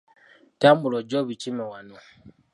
Tambula ojje obikime wano.